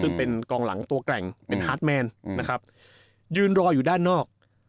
ซึ่งเป็นกองหลังตัวแกร่งเป็นฮาร์ดแมนนะครับยืนรออยู่ด้านนอก